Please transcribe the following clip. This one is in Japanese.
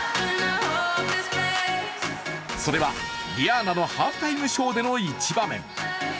それはリアーナのハーフタイムショーでの一場面。